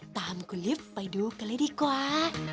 ตามคุณลิฟต์ไปดูกันเลยดีกว่า